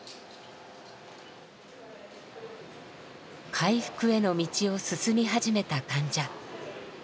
回復への道を進み始めた患者。